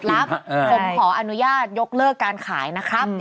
ผมขออนุญาตยกเลิกการขายนะครับ